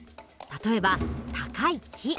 例えば高い木。